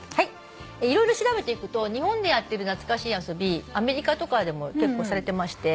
色々調べていくと日本でやってる懐かしい遊びアメリカとかでも結構されてまして。